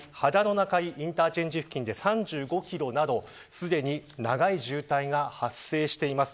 中井インターチェンジ付近で３５キロなどすでに長い渋滞が発生しています。